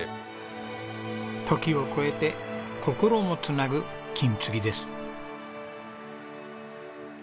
時を超えて心もつなぐ金継ぎです。